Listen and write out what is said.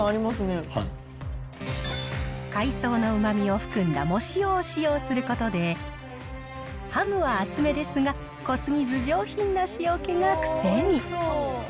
海藻のうまみを含んだ藻塩を使用することで、ハムは厚めですが、濃すぎず上品な塩気が癖に。